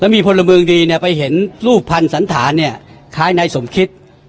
และมีคนละเมืองดีไปเห็นรูปพันธุ์สันฐานขายนายสมคิต